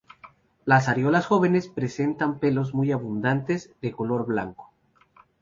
Las areolas jóvenes presentan pelos muy abundantes de color blanco.